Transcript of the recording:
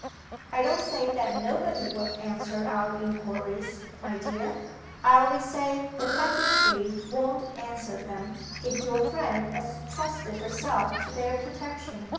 "I don't say that nobody will answer our inquiries, my dear I only say the peasantry won't answer them, if your friend has trusted herself to their protection.